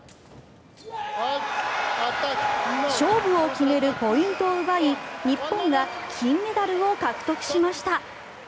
勝負を決めるポイントを奪い日本が金メダルを獲得しました。